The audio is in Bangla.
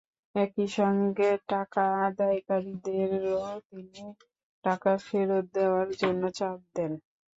একই সঙ্গে টাকা আদায়কারীদেরও তিনি টাকা ফেরত দেওয়ার জন্য চাপ দেন।